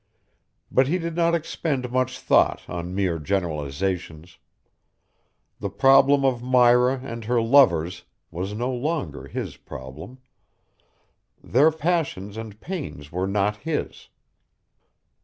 But he did not expend much thought on mere generalizations. The problem of Myra and her lovers was no longer his problem; their passions and pains were not his.